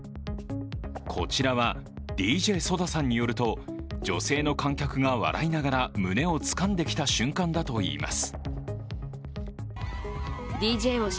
こちらはＤＪＳＯＤＡさんによると女性の観客が笑いながら胸をつかんできた瞬間だといいます。